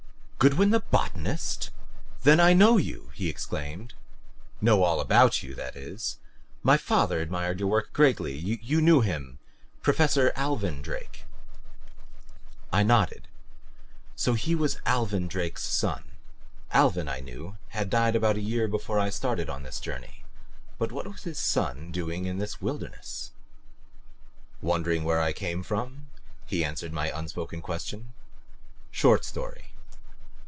"Goodwin the botanist ? Then I know you!" he exclaimed. "Know all about you, that is. My father admired your work greatly. You knew him Professor Alvin Drake." I nodded. So he was Alvin Drake's son. Alvin, I knew, had died about a year before I had started on this journey. But what was his son doing in this wilderness? "Wondering where I came from?" he answered my unspoken question. "Short story.